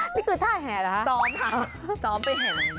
นี่คือท่าแห่เหรอคะซ้อมค่ะซ้อมไปแห่